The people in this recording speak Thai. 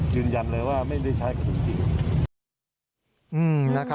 ยืนยันเลยว่าไม่ได้ใช้กระสุนจริง